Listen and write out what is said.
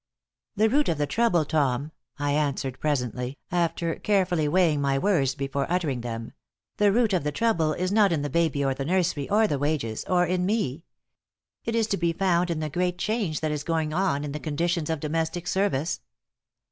"The root of the trouble, Tom," I answered, presently, after carefully weighing my words before uttering them, "the root of the trouble is not in the baby or the nursery or the wages or in me. It is to be found in the great change that is going on in the conditions of domestic service.